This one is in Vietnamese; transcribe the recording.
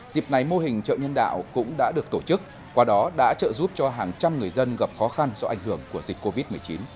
dịp này mô hình chợ nhân đạo cũng đã được tổ chức qua đó đã trợ giúp cho hàng trăm người dân gặp khó khăn do ảnh hưởng của dịch covid một mươi chín